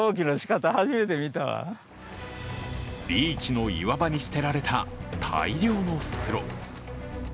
ビーチの岩場に捨てられた大量の袋。